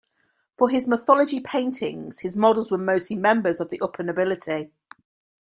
For his mythology paintings his models were mostly members of the upper nobility.